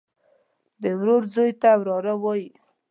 د ورور زوى ته وراره وايي.